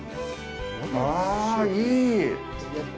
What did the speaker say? あぁ、いい！